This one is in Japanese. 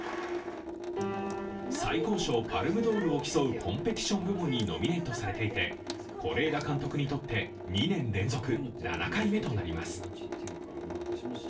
最高賞パルムドールを競うコンペティション部門にノミネートされていて是枝監督にとって２年連続、７回目となります。